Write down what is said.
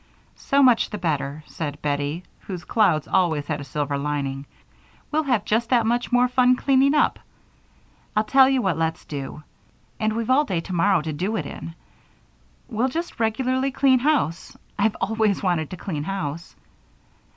"So much the better," said Bettie, whose clouds always had a silver lining. "We'll have just that much more fun cleaning up. I'll tell you what let's do and we've all day tomorrow to do it in. We'll just regularly clean house I've always wanted to clean house."